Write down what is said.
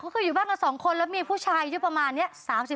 มีมากกว่าสองคนแล้วมีผู้ชายประมาณเนี่ย